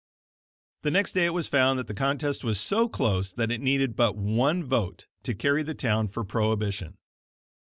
The next day it was found that the contest was so close that it needed but one vote to carry the town for prohibition.